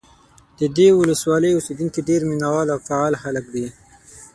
د دې ولسوالۍ اوسېدونکي ډېر مینه وال او فعال خلک دي.